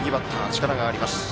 力があります。